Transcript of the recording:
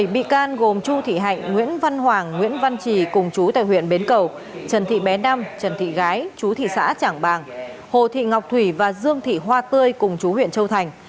bảy bị can gồm chu thị hạnh nguyễn văn hoàng nguyễn văn trì cùng chú tại huyện bến cầu trần thị bé đam trần thị gái chú thị xã trảng bàng hồ thị ngọc thủy và dương thị hoa tươi cùng chú huyện châu thành